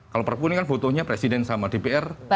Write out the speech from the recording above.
kalau perpu ini kan butuhnya presiden sama dpr